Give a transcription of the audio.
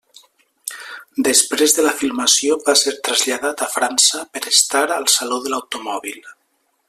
Després de la filmació va ser traslladat a França per estar al Saló de l'Automòbil.